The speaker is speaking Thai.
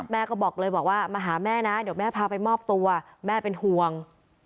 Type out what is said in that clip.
แม่ก็บอกเลยบอกว่ามาหาแม่นะเดี๋ยวแม่พาไปมอบตัวแม่เป็นห่วง